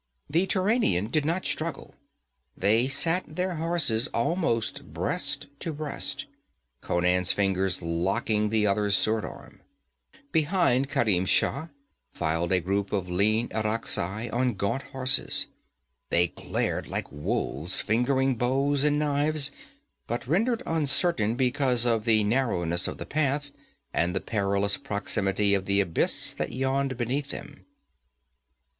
The Turanian did not struggle; they sat their horses almost breast to breast, Conan's fingers locking the other's sword arm. Behind Kerim Shah filed a group of lean Irakzai on gaunt horses. They glared like wolves, fingering bows and knives, but rendered uncertain because of the narrowness of the path and the perilous proximity of the abyss that yawned beneath them.